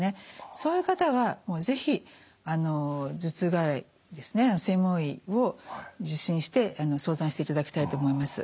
そういう方はもう是非頭痛外来ですね専門医を受診して相談していただきたいと思います。